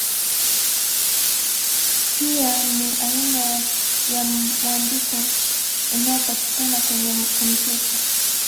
Pia ni aina ya mwandiko unaopatikana kwenye kompyuta.